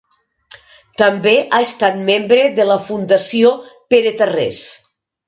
També ha estat membre de la Fundació Pere Tarrés.